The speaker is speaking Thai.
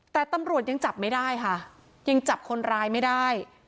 แต่ตำรวจยังจับไม่ได้ค่ะยังจับคนร้ายไม่ได้